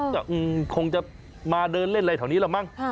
คงจะมาเดินเล่นอะไรแถวนี้แหละมั้ง